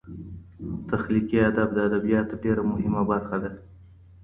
تخلیقي ادب د ادبیاتو ډېره مهمه برخه ده.